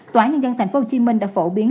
tòa án nhân dân tp hcm đã phổ biến